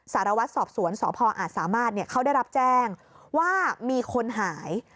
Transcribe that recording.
สารวัตรสอบสวนสพอาจสามารถเขาได้รับแจ้งว่ามีคนหาย